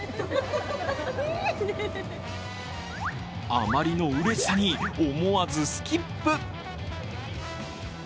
あまりのうれしさに、思わずスキップ。